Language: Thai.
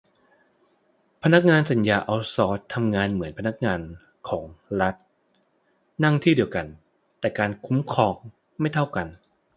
พนักงานสัญญาเอาต์ซอร์สทำงานเหมือนพนักงานของรัฐ นั่งที่เดียวกัน แต่การคุ้มครองไม่เท่ากัน